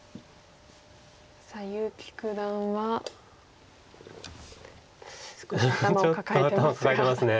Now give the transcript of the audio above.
さあ結城九段は頭を抱えてますが。